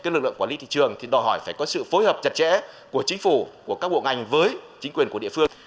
lực lượng quản lý thị trường thì đòi hỏi phải có sự phối hợp chặt chẽ của chính phủ của các bộ ngành với chính quyền của địa phương